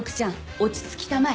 落ち着きたまえ。